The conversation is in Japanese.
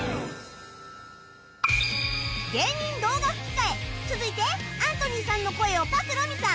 芸人動画吹き替え続いてアントニーさんの声を朴美さん